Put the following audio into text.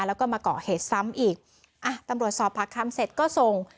แล้วก็มาเกาะเหตุซ้ำอีกอ่ะตำรวจสอบผักคำเสร็จก็ส่ง